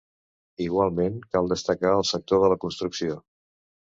Igualment cal destacar el sector de la construcció.